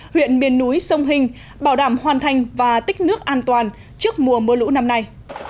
huyện miền núi sông hình bảo đảm hoàn thành và tích nước an toàn trước mùa mưa lũ năm nay